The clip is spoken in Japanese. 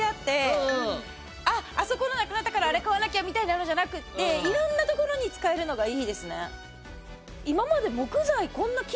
あっあそこのなくなったからあれ買わなきゃみたいなのじゃなくって色んな所に使えるのがいいですね。